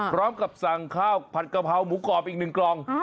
พร้อมกับสั่งข้าวผัดกะเพราหมูกรอบอีก๑กล่อง